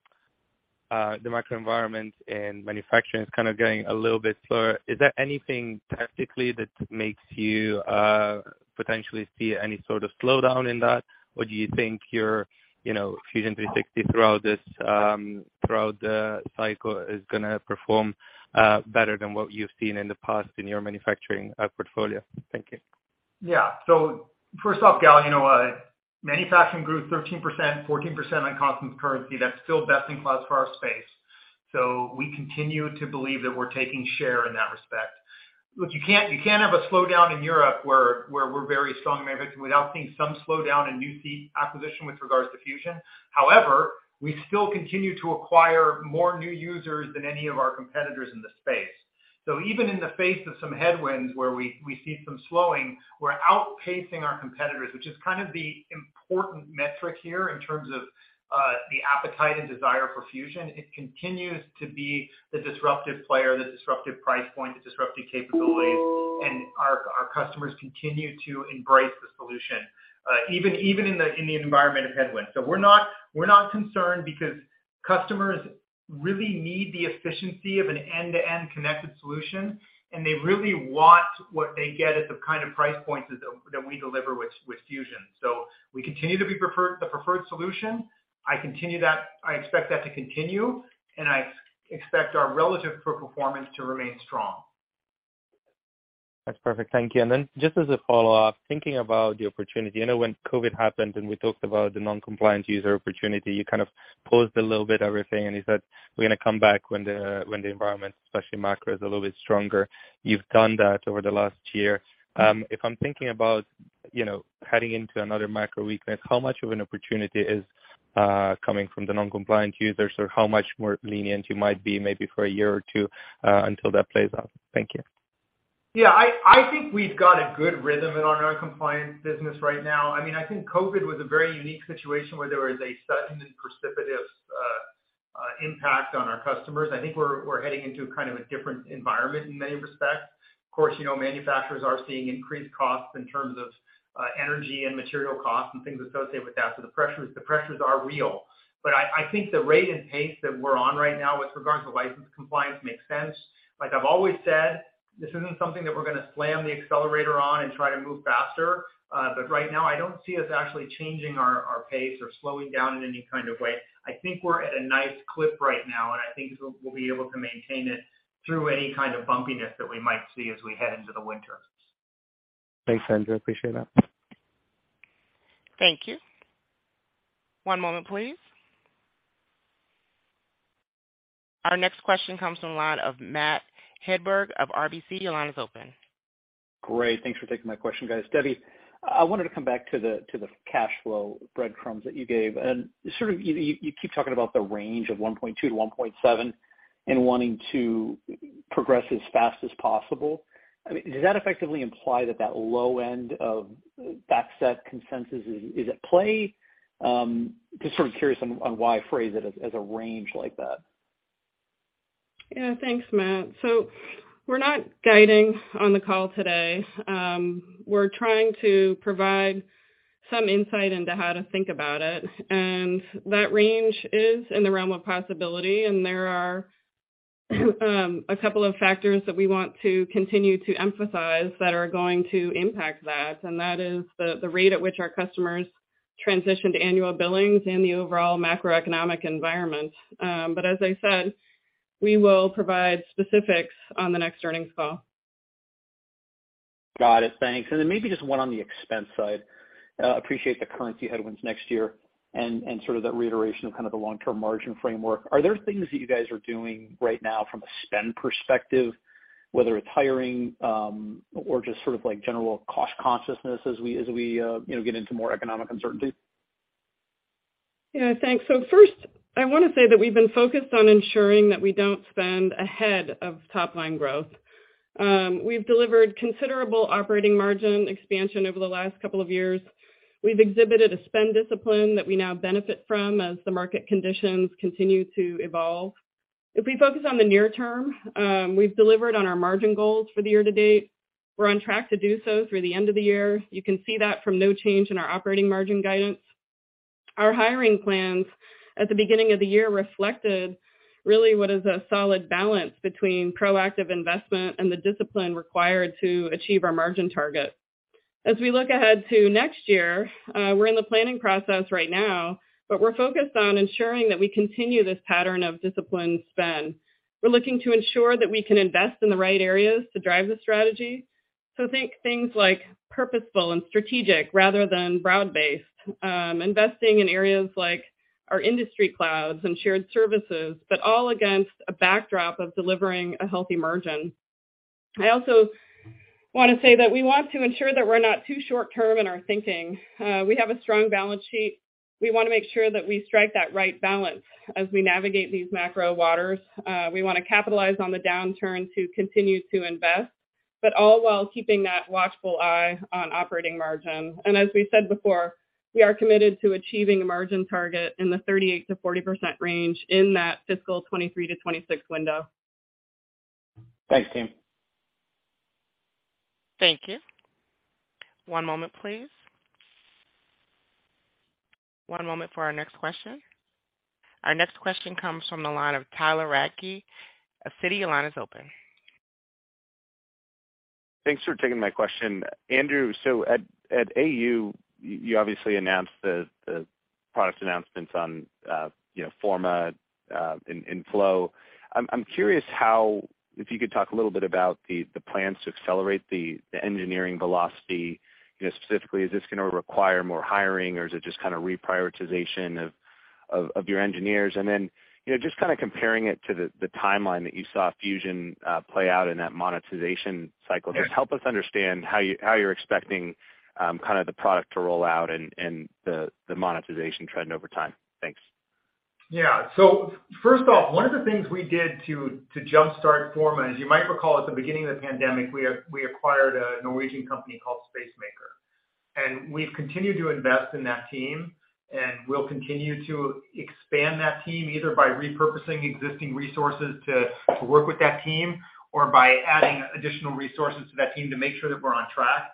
macro environment and manufacturing is kind of getting a little bit slower. Is there anything tactically that makes you potentially see any sort of slowdown in that? Do you think your, you know, Fusion 360 throughout this, throughout the cycle is gonna perform better than what you've seen in the past in your manufacturing portfolio? Thank you. First off, Gal, you know, manufacturing grew 13%, 14% on constant currency. That's still best in class for our space. We continue to believe that we're taking share in that respect. Look, you can't, you can't have a slowdown in Europe where we're very strong in manufacturing without seeing some slowdown in new fee acquisition with regards to Fusion. However, we still continue to acquire more new users than any of our competitors in the space. Even in the face of some headwinds where we see some slowing, we're outpacing our competitors, which is kind of the important metric here in terms of the appetite and desire for Fusion. It continues to be the disruptive player, the disruptive price point, the disruptive capabilities, and our customers continue to embrace the solution, even in the environment of headwind. We're not concerned because customers really need the efficiency of an end-to-end connected solution, and they really want what they get at the kind of price points that we deliver with Fusion. We continue to be the preferred solution. I expect that to continue, and I expect our relative performance to remain strong. That's perfect. Thank you. Just as a follow-up, thinking about the opportunity, I know when COVID happened and we talked about the non-compliant user opportunity, you kind of paused a little bit everything and you said, "We're gonna come back when the environment, especially macro, is a little bit stronger." You've done that over the last year. If I'm thinking about, you know, heading into another macro weakness, how much of an opportunity is coming from the non-compliant users or how much more lenient you might be maybe for a year or two until that plays out? Thank you. Yeah. I think we've got a good rhythm in our non-compliant business right now. I mean, I think COVID was a very unique situation where there was a sudden and precipitous impact on our customers. I think we're heading into kind of a different environment in many respects. Of course, you know, manufacturers are seeing increased costs in terms of energy and material costs and things associated with that. The pressures are real. I think the rate and pace that we're on right now with regards to license compliance makes sense. Like I've always said, this isn't something that we're gonna slam the accelerator on and try to move faster. Right now I don't see us actually changing our pace or slowing down in any kind of way. I think we're at a nice clip right now, and I think we'll be able to maintain it through any kind of bumpiness that we might see as we head into the winter. Thanks, Andrew. Appreciate it. Thank you. One moment please. Our next question comes from the line of Matthew Hedberg of RBC. Your line is open. Great. Thanks for taking my question, guys. Debbie, I wanted to come back to the cash flow breadcrumbs that you gave. You keep talking about the range of $1.2 to 1.7 and wanting to progress as fast as possible. I mean, does that effectively imply that low end of FactSet consensus is at play? Just sort of curious on why phrase it as a range like that. Yeah. Thanks, Matt. We're not guiding on the call today. We're trying to provide some insight into how to think about it. That range is in the realm of possibility, and there are a couple of factors that we want to continue to emphasize that are going to impact that, and that is the rate at which our customers transition to annual billings and the overall macroeconomic environment. As I said, we will provide specifics on the next earnings call. Got it. Thanks. Maybe just one on the expense side. Appreciate the currency headwinds next year and sort of that reiteration of kind of the long-term margin framework. Are there things that you guys are doing right now from a spend perspective, whether it's hiring, or just sort of like general cost consciousness as we, you know, get into more economic uncertainty? Yeah. Thanks. First, I wanna say that we've been focused on ensuring that we don't spend ahead of top line growth. We've delivered considerable operating margin expansion over the last couple of years. We've exhibited a spend discipline that we now benefit from as the market conditions continue to evolve. If we focus on the near term, we've delivered on our margin goals for the year-to-date. We're on track to do so through the end of the year. You can see that from no change in our operating margin guidance. Our hiring plans at the beginning of the year reflected really what is a solid balance between proactive investment and the discipline required to achieve our margin target. As we look ahead to next year, we're in the planning process right now, but we're focused on ensuring that we continue this pattern of disciplined spend. We're looking to ensure that we can invest in the right areas to drive the strategy. Think things like purposeful and strategic rather than broad-based. Investing in areas like our industry clouds and shared services, all against a backdrop of delivering a healthy margin. I also wanna say that we want to ensure that we're not too short-term in our thinking. We have a strong balance sheet. We wanna make sure that we strike that right balance as we navigate these macro waters. We wanna capitalize on the downturn to continue to invest, all while keeping that watchful eye on operating margin. As we said before, we are committed to achieving a margin target in the 38% to 40% range in that fiscal 2023 to 2026 window. Thanks, team. Thank you. One moment, please. One moment for our next question. Our next question comes from the line of Tyler Radke of Citi. Your line is open. Thanks for taking my question. Andrew, at AU, you obviously announced the product announcements on, you know, Forma, in Flow. I'm curious how, if you could talk a little bit about the plans to accelerate the engineering velocity, you know, specifically, is this gonna require more hiring, or is it just kind of reprioritization of your engineers, you know, just kind of comparing it to the timeline that you saw Fusion play out in that monetization cycle. Sure. Just help us understand how you're expecting, kind of the product to roll out and the monetization trend over time. Thanks. Yeah. First off, one of the things we did to jump-start Forma, as you might recall at the beginning of the pandemic, we acquired a Norwegian company called Spacemaker. We've continued to invest in that team, and we'll continue to expand that team, either by repurposing existing resources to work with that team or by adding additional resources to that team to make sure that we're on track.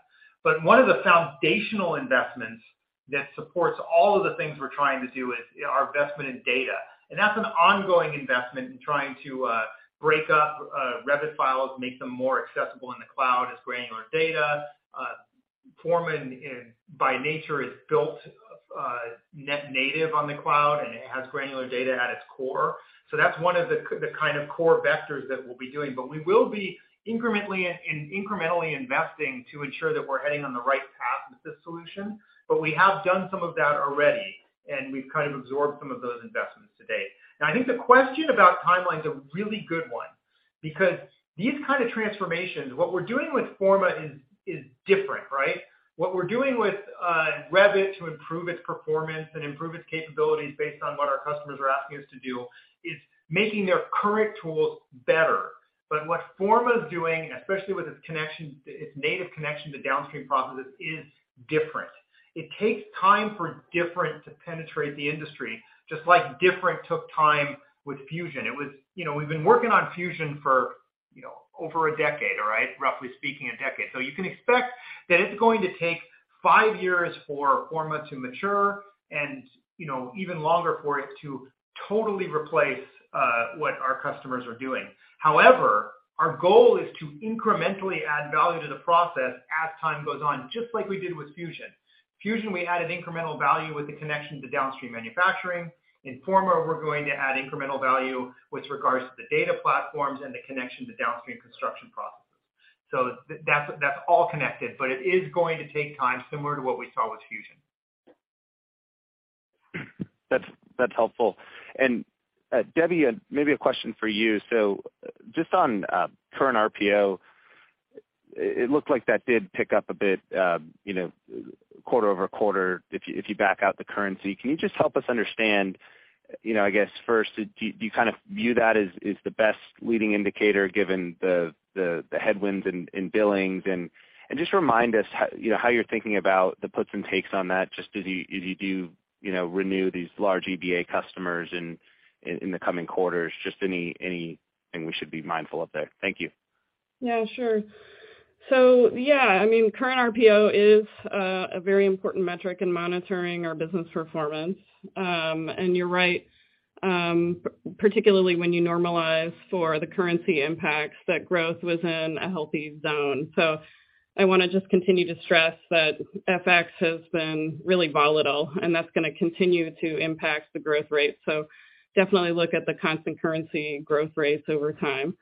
One of the foundational investments that supports all of the things we're trying to do is, you know, our investment in data. That's an ongoing investment in trying to break up Revit files, make them more accessible in the cloud as granular data. Forma in by nature is built native on the cloud, and it has granular data at its core. That's one of the kind of core vectors that we'll be doing. We will be incrementally and incrementally investing to ensure that we're heading on the right path with this solution. We have done some of that already, and we've kind of absorbed some of those investments to date. Now I think the question about timeline is a really good one because these kind of transformations, what we're doing with Forma is different, right? What we're doing with Revit to improve its performance and improve its capabilities based on what our customers are asking us to do is making their current tools better. What Forma is doing, especially with its connection, its native connection to downstream processes, is different. It takes time for different to penetrate the industry, just like different took time with Fusion. It was... You know, we've been working on Fusion for, you know, over a decade, all right? Roughly speaking, a decade. You can expect that it's going to take five years for Forma to mature and, you know, even longer for it to totally replace what our customers are doing. However, our goal is to incrementally add value to the process as time goes on, just like we did with Fusion. Fusion, we added incremental value with the connection to downstream manufacturing. In Forma, we're going to add incremental value with regards to the data platforms and the connection to downstream construction processes. That's, that's all connected, but it is going to take time, similar to what we saw with Fusion. That's helpful. Debbie, maybe a question for you. Just on current RPO, it looked like that did pick up a bit, you know, quarter-over-quarter if you back out the currency. Can you just help us understand, you know, I guess first, do you kind of view that as the best leading indicator given the headwinds in billings? Just remind us, you know, how you're thinking about the puts and takes on that just as you do, you know, renew these large EBA customers in the coming quarters. Just anything we should be mindful of there. Thank you. Yeah, sure. Yeah, I mean, Current RPO is a very important metric in monitoring our business performance. And you're right, particularly when you normalize for the currency impacts, that growth was in a healthy zone. I want to just continue to stress that FX has been really volatile, and that's going to continue to impact the growth rate. Definitely look at the constant currency growth rates over time.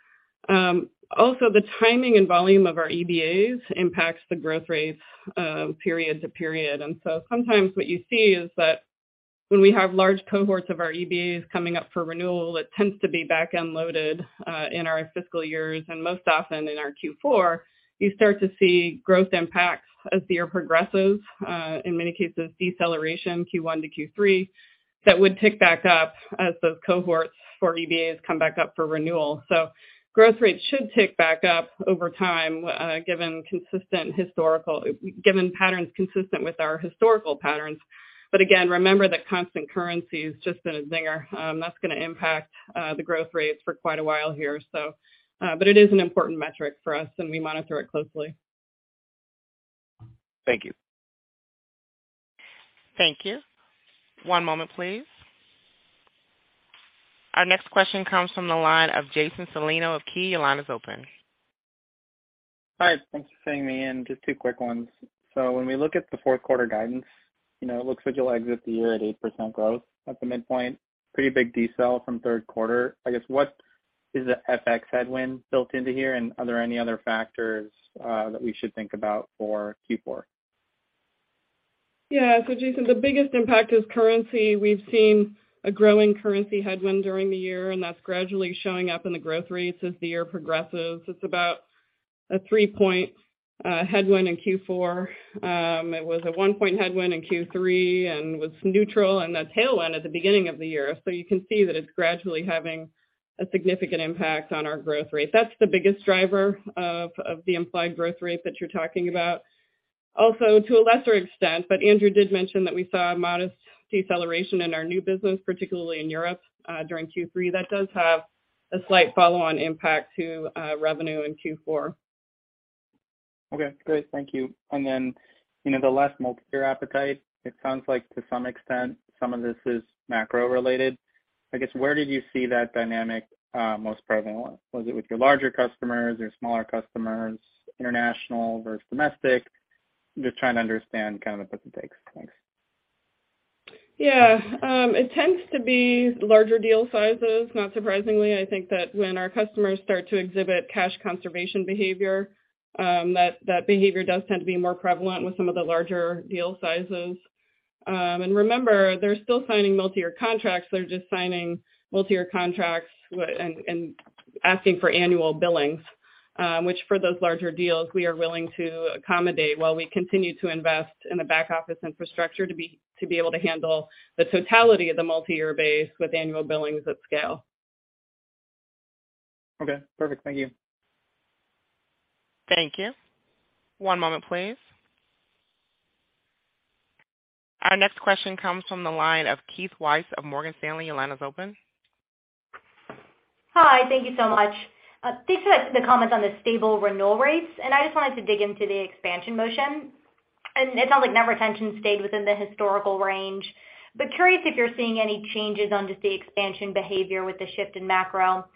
Also, the timing and volume of our EBAs impacts the growth rates period to period. Sometimes what you see is that when we have large cohorts of our EBAs coming up for renewal, it tends to be back-end loaded in our fiscal years. Most often in our Q4, you start to see growth impacts as the year progresses, in many cases, deceleration Q1 to Q3, that would tick back up as those cohorts for EBAs come back up for renewal. Growth rates should tick back up over time, given patterns consistent with our historical patterns. Again, remember that constant currency has just been a zinger, that's gonna impact the growth rates for quite a while here, so. But it is an important metric for us, and we monitor it closely. Thank you. Thank you. One moment, please. Our next question comes from the line of Jason Celino of KeyBanc. Your line is open. Hi, thanks for fitting me in. Just two quick ones. When we look at the Q4 guidance, you know, it looks like you'll exit the year at 8% growth at the midpoint, pretty big decel from Q3. I guess, what is the FX headwind built into here, and are there any other factors that we should think about for Q4? Jason, the biggest impact is currency. We've seen a growing currency headwind during the year, and that's gradually showing up in the growth rates as the year progresses. It's about a 3-point headwind in Q4. It was a 1-point headwind in Q3 and was neutral and a tailwind at the beginning of the year. You can see that it's gradually having a significant impact on our growth rate. That's the biggest driver of the implied growth rate that you're talking about. Also, to a lesser extent, Andrew did mention that we saw a modest deceleration in our new business, particularly in Europe during Q3. That does have a slight follow-on impact to revenue in Q4. Okay, great. Thank you. Then, you know, the less multiyear appetite, it sounds like to some extent some of this is macro-related. I guess, where did you see that dynamic most prevalent? Was it with your larger customers, your smaller customers, international versus domestic? Just trying to understand kind of the gives and takes. Thanks. It tends to be larger deal sizes, not surprisingly. I think that when our customers start to exhibit cash conservation behavior, that behavior does tend to be more prevalent with some of the larger deal sizes. Remember, they're still signing multiyear contracts, they're just signing multiyear contracts and asking for annual billings. Which for those larger deals we are willing to accommodate while we continue to invest in the back office infrastructure to be able to handle the totality of the multiyear base with annual billings at scale. Okay. Perfect. Thank you. Thank you. One moment, please. Our next question comes from the line of Keith Weiss of Morgan Stanley. Your line is open. Hi. Thank you so much. Thanks for the comments on the stable renewal rates. I just wanted to dig into the expansion motion. It sounds like net retention stayed within the historical range, but curious if you're seeing any changes on just the expansion behavior with the shift in macro.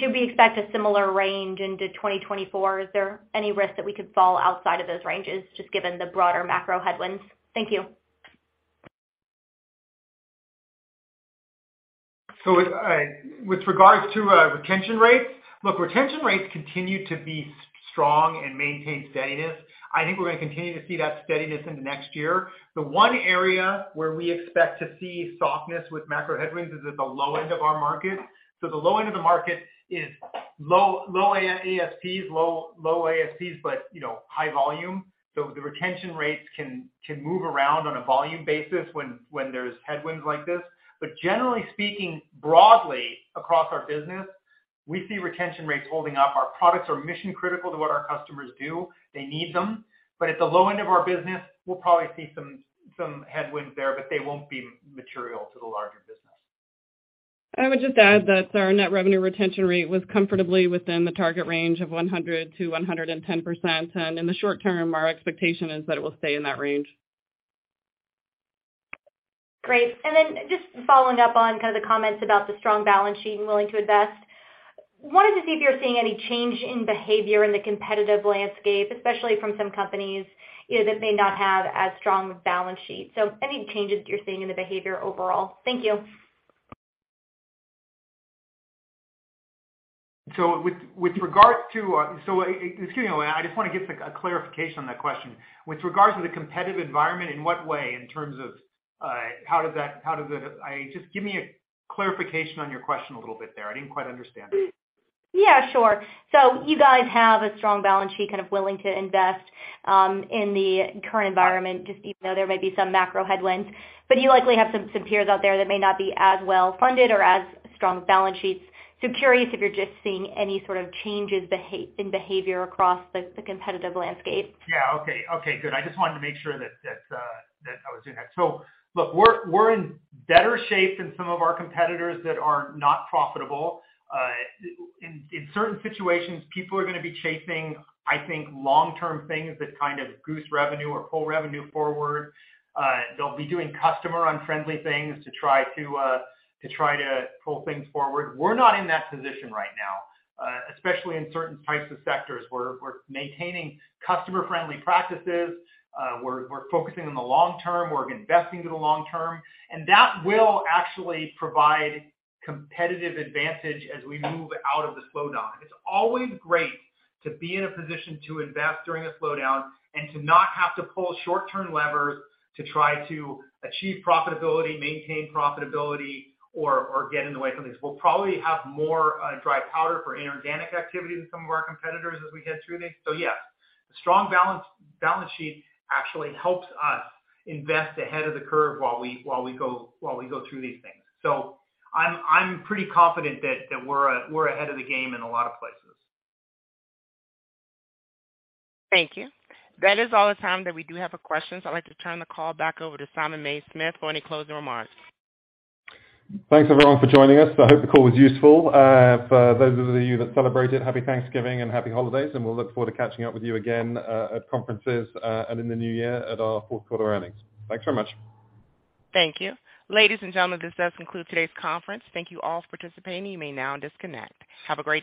Should we expect a similar range into 2024? Is there any risk that we could fall outside of those ranges, just given the broader macro headwinds? Thank you. With regards to retention rates, look, retention rates continue to be strong and maintain steadiness. I think we're gonna continue to see that steadiness into next year. The one area where we expect to see softness with macro headwinds is at the low end of our market. The low end of the market is low, low ASPs, low, low ASCs, but, you know, high volume. The retention rates can move around on a volume basis when there's headwinds like this. Generally speaking, broadly across our business, we see retention rates holding up. Our products are mission critical to what our customers do. They need them. At the low end of our business, we'll probably see some headwinds there, but they won't be material to the larger business. I would just add that our Net Revenue Retention Rate was comfortably within the target range of 100% to 110%, and in the short term, our expectation is that it will stay in that range. Great. Just following up on kind of the comments about the strong balance sheet and willing to invest, wanted to see if you're seeing any change in behavior in the competitive landscape, especially from some companies, you know, that may not have as strong balance sheets. Any changes that you're seeing in the behavior overall? Thank you. Excuse me. I just want to get a clarification on that question. With regards to the competitive environment, in what way in terms of, how does it. Just give me a clarification on your question a little bit there. I didn't quite understand it. Sure. You guys have a strong balance sheet, kind of willing to invest in the current environment, just even though there may be some macro headwinds. You likely have some peers out there that may not be as well-funded or as strong balance sheets. Curious if you're just seeing any sort of changes in behavior across the competitive landscape. Yeah. Okay. Okay, good. I just wanted to make sure that I was doing that. Look, we're in better shape than some of our competitors that are not profitable. In certain situations, people are gonna be chasing, I think, long-term things that kind of goose revenue or pull revenue forward. They'll be doing customer-unfriendly things to try to pull things forward. We're not in that position right now, especially in certain types of sectors. We're maintaining customer-friendly practices. We're focusing on the long term. We're investing in the long term. That will actually provide competitive advantage as we move out of the slowdown. It's always great to be in a position to invest during a slowdown and to not have to pull short-term levers to try to achieve profitability, maintain profitability or get in the way from these. We'll probably have more dry powder for inorganic activity than some of our competitors as we head through these. Yeah, strong balance sheet actually helps us invest ahead of the curve while we go through these things. I'm pretty confident that we're ahead of the game in a lot of places. Thank you. That is all the time that we do have for questions. I'd like to turn the call back over to Simon Mays-Smith for any closing remarks. Thanks, everyone, for joining us. I hope the call was useful. For those of you that celebrate it, happy Thanksgiving and happy holidays, and we'll look forward to catching up with you again, at conferences, and in the new year at our Q4 earnings. Thanks very much. Thank you. Ladies and gentlemen, this does conclude today's conference. Thank you all for participating. You may now disconnect. Have a great day.